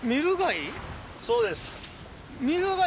そうです・